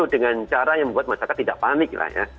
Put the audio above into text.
dengan cara yang membuat masyarakat tidak panik lah ya